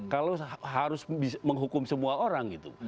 kalau harus menghukum semua orang gitu